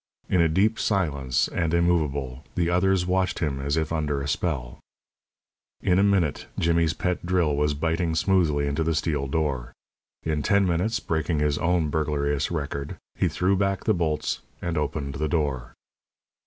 In a deep silence and immovable, the others watched him as if under a spell. In a minute Jimmy's pet drill was biting smoothly into the steel door. In ten minutes breaking his own burglarious record he threw back the bolts and opened the door.